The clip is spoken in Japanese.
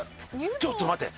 ちょっと待って！